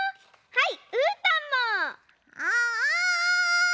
はい。